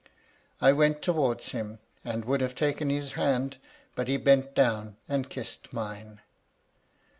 I went towards him, and would have taken his hand, but he bent down and kissed mine.